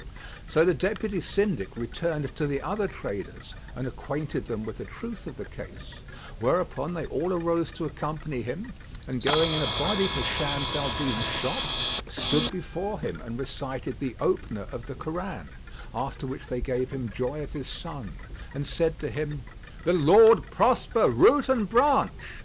So the Deputy Syndic returned to the other traders and acquainted them with the truth of the case, whereupon they all arose to accompany him; and, going in a body to Shams al Din's shop, stood before him and recited the "Opener" of the Koran; after which they gave him joy of his son and said to him, "The Lord prosper root and branch!